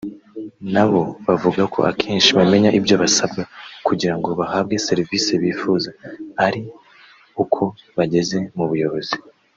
na bo bavuga ko akenshi bamenya ibyo basabwa kugira ngo bahabwe serivisi bifuza ari uko bageze mu buyobozi